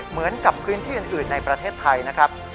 เหมือนกับพื้นที่อื่นในประเทศไทยนะครับ